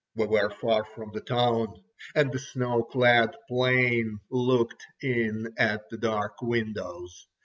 We were far from the town, and the snow clad plain looked in at the dark windows.